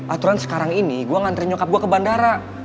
aturan sekarang ini gue ngantri nyukap gue ke bandara